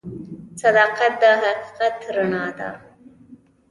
صداقت د حقیقت رڼا ده.